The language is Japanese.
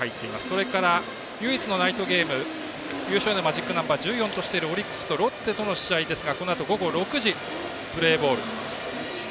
それから唯一のナイトゲーム優勝へのマジックナンバー１６としているオリックスとロッテとの試合ですがこのあと午後６時プレーボール。